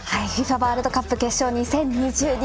ワールドカップ決勝２０２２。